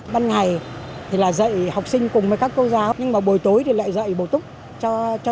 ban ngày thì là dạy học sinh cùng với các cô giáo nhưng mà buổi tối thì lại dạy bổ túc cho